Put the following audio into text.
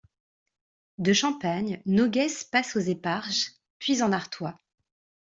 De Champagne, Noguès passe aux Éparges, puis en Artois.